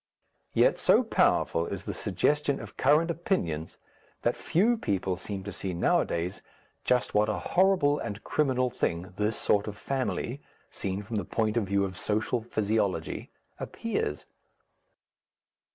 Yet so powerful is the suggestion of current opinions that few people seem to see nowadays just what a horrible and criminal thing this sort of family, seen from the point of view of social physiology, appears.